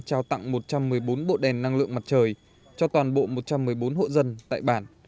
trao tặng một trăm một mươi bốn bộ đèn năng lượng mặt trời cho toàn bộ một trăm một mươi bốn hộ dân tại bản